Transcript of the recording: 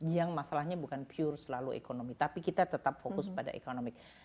yang masalahnya bukan pure selalu ekonomi tapi kita tetap fokus pada ekonomi